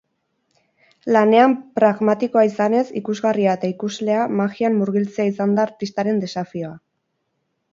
Lanean pragmatikoa izanez, ikusgarria eta ikuslea magian murgiltzea izan da artistaren desafioa.